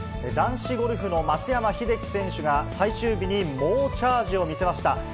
男子ゴルフの松山英樹選手が、最終日に猛チャージを見せました。